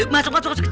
masuk masuk masuk